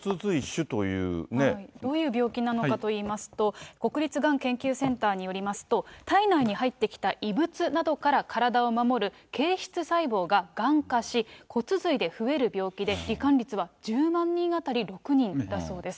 どういう病気なのかといいますと、国立がん研究センターによりますと、体内に入ってきた異物などから体を守る形質細胞ががん化し、骨髄で増える病気で、り患率は１０万人当たり６人だそうです。